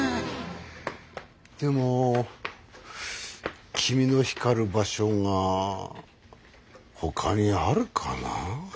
でも君の光る場所がほかにあるかな？